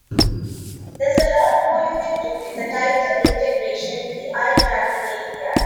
There's a lot more you can do with a tighter integration with the eye tracking API.